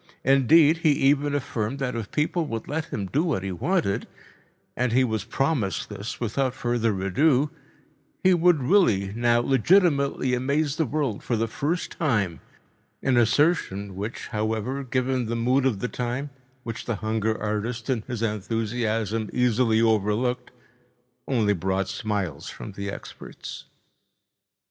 Indeed, he even affirmed that if people would let him do what he wanted—and he was promised this without further ado—he would really now legitimately amaze the world for the first time, an assertion which, however, given the mood of the time, which the hunger artist in his enthusiasm easily overlooked, only brought smiles from the experts.